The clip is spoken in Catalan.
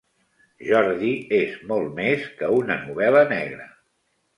Jordi és molt més que una novel·la negra.